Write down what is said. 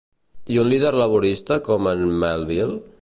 I un líder laborista com en Melville?